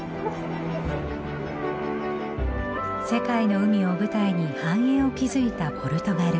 世界の海を舞台に繁栄を築いたポルトガル。